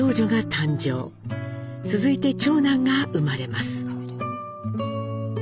続いて長男が生まれます。